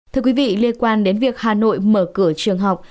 thưa quý vị liên quan đến việc hà nội mở cửa trường học